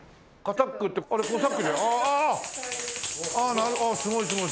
ああすごいすごい！